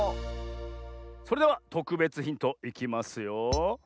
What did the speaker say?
それではとくべつヒントいきますよ。